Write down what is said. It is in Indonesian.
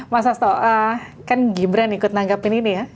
mas sasto kan gibran ikut nanggapin ini ya